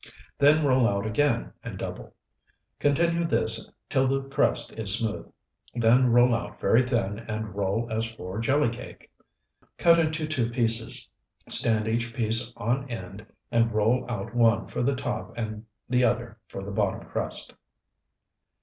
Then roll out again and double. Continue this till the crust is smooth; then roll out very thin and roll as for jelly cake. Cut into two pieces, stand each piece on end, and roll out one for the top and the other for the bottom crust.